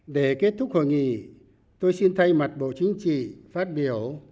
để kết thúc hội nghị tôi xin thay mặt bộ chính trị phát biểu